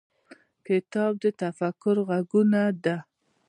کتاب د تفکر غزونه ده.